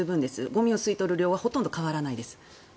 ゴミを吸い取る量はほとんど変わらないです。